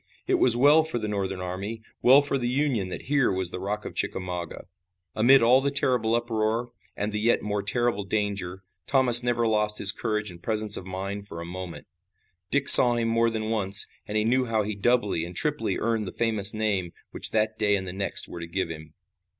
It was well for the Northern army, well for the Union that here was the Rock of Chickamauga. Amid all the terrible uproar and the yet more terrible danger, Thomas never lost his courage and presence of mind for a moment. Dick saw him more than once, and he knew how he doubly and triply earned the famous name which that day and the next were to give him.